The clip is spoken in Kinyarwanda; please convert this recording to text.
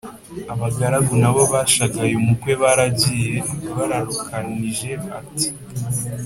abagaragu na bo bashagaye umukwe, baragiye bararakukanije ati